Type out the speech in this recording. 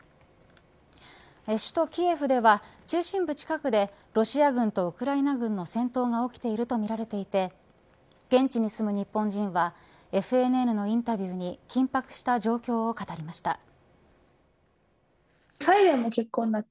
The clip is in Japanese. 首都キエフでは中心部近くでロシア軍とウクライナ軍の戦闘が起きているとみられていて現地に住む日本人はＦＮＮのインタビューに緊迫した状況を語りました。